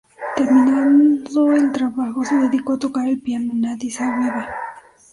Terminado el trabajo, se dedicó a tocar el piano en Addis Abeba.